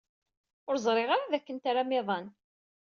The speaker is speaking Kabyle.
Ur ẓriɣ ara dakken tram iḍan.